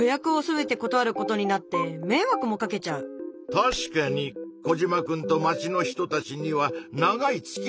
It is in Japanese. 確かにコジマくんと町の人たちには長いつきあいがある。